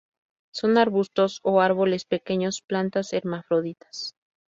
Son arbustos o árboles pequeños; plantas hermafroditas.